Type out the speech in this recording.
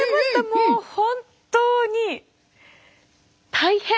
もう本当に大変。